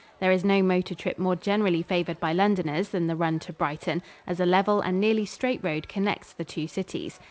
There is no motor trip more generally favored by Londoners than the run to Brighton, as a level and nearly straight road connects the two cities.